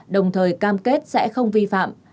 đồng thời cam kết sẽ không vi phạm